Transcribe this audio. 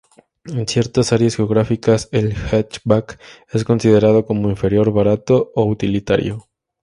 En ciertas áreas geográficas, el "hatchback" es considerado como inferior, barato o utilitario.